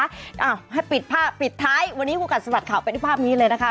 อ้าวให้ปิดท้ายวันนี้คุณกันสมัครข่าวไปดูภาพนี้เลยนะคะ